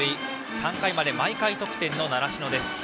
３回まで毎回得点の習志野です。